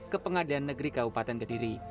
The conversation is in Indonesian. ke pengadilan negeri kabupaten kediri